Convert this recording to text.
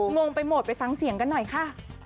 งงไปหมดไปฟังเสียงกันหน่อยค่ะ